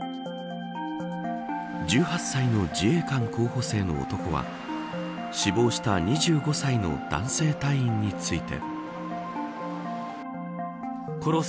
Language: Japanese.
１８歳の自衛官候補生の男は死亡した２５歳の男性隊員について。